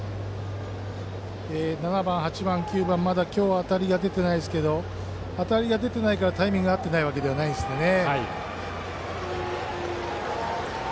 ７番、８番、９番にまだ今日は当たりが出ていませんが当たりが出てないからタイミングが合ってないわけではないですからね。